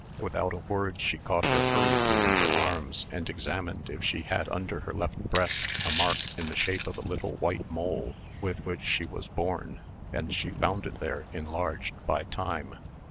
Without a word she caught her hurriedly in her arms, and examined if she had under her left breast a mark in the shape of a little white mole with which she was born, and she found it there enlarged by time.